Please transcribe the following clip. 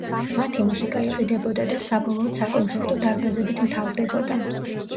მათი მუსიკა იყიდებოდა და საბოლოოდ საკონცერტო დარბაზებით მთავრდებოდა.